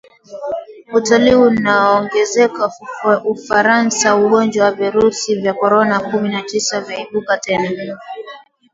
Utalii waongezeka Ufaransa ugonjwa wa virusi vya korona kumi na tisa vyaibuka tena.